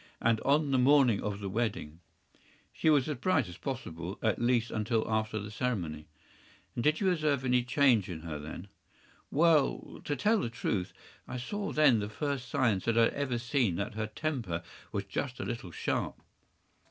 And on the morning of the wedding?” “She was as bright as possible—at least, until after the ceremony.” “And did you observe any change in her then?” “Well, to tell the truth, I saw then the first signs that I had ever seen that her temper was just a little sharp.